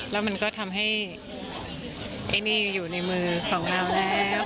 แล้วมันก็ทำให้ไอ้นี่อยู่ในมือของเราแล้ว